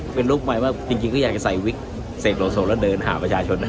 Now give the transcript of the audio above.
เปลี่ยนลุคใหม่มากจริงก็อยากใส่วิกเสกโหลโศกแล้วเดินหาประชาชน